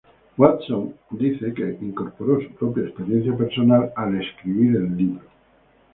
Watson dice que incorporó su propia experiencia personal en escribir el libro.